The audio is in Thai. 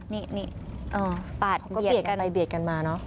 นี่นี่ปาดเบียดกันมาเนอะ